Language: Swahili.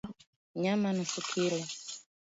Nyama nusu kilo